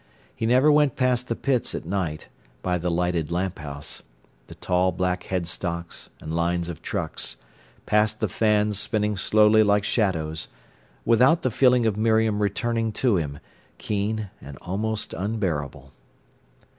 He never went past the pits at night, by the lighted lamp house, the tall black headstocks and lines of trucks, past the fans spinning slowly like shadows, without the feeling of Miriam returning to him, keen and almost unbearable.